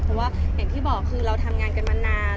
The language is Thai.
เพราะว่าอย่างที่บอกคือเราทำงานกันมานาน